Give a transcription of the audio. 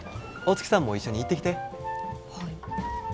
大月さんも一緒に行ってきて。